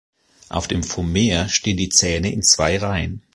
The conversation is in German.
Auf dem Vomer stehen die Zähne in zwei Reihen.